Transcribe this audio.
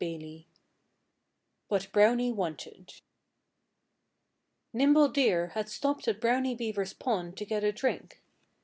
XVII WHAT BROWNIE WANTED Nimble Deer had stopped at Brownie Beaver's pond to get a drink.